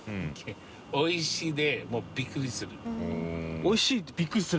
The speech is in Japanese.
おいしいびっくりする？